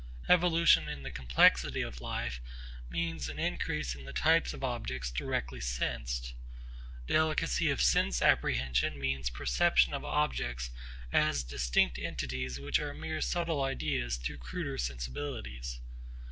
Evolution in the complexity of life means an increase in the types of objects directly sensed. Delicacy of sense apprehension means perceptions of objects as distinct entities which are mere subtle ideas to cruder sensibilities.